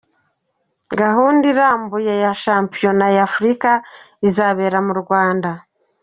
Gahunda irambuye ya shampiyona ya Africa izabera mu Rwanda .